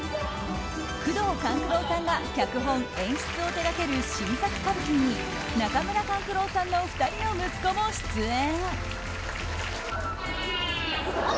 宮藤官九郎が脚本・演出を手がける新作歌舞伎に中村勘九郎さんの２人の息子も出演。